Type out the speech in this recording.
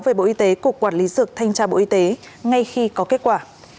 về bộ y tế cục quản lý dược thanh tra bộ y tế ngay khi có kết quả